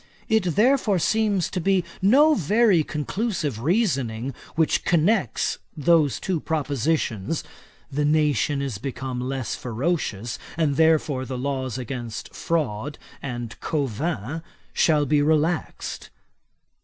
It therefore seems to be no very conclusive reasoning, which connects those two propositions; "the nation is become less ferocious, and therefore the laws against fraud and covin shall be relaxed."